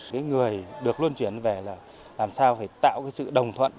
cái người được luân chuyển về là làm sao phải tạo cái sự đồng thuận